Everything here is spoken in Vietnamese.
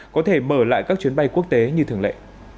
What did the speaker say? có thể mở lại các chuyến bay quốc tế như thường lệ